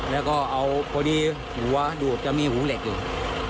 แล้วก็เอาพอดีหัวดูดจะมีหูเหล็กอยู่